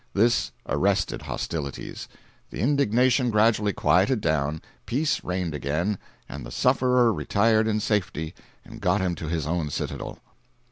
This arrested hostilities. The indignation gradually quieted down, peace reigned again and the sufferer retired in safety and got him to his own citadel.